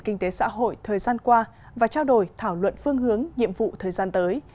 kinh tế xã hội thời gian qua và trao đổi thảo luận phương hướng nhiệm vụ thời gian tới